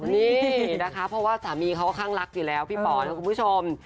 เพราะว่าสามีเขาก็ค่างรักอยู่แล้วคุณผู้ชม